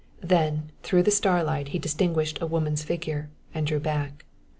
Then through the starlight he distinguished a woman's figure, and drew back.